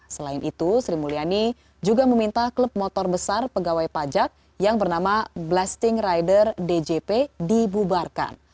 selain itu sri mulyani juga meminta klub motor besar pegawai pajak yang bernama blasting rider djp dibubarkan